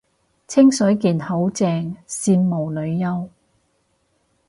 清水健好正，羨慕女優